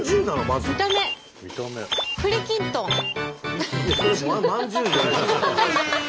それまんじゅうじゃない。